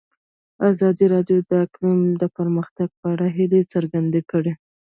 ازادي راډیو د اقلیم د پرمختګ په اړه هیله څرګنده کړې.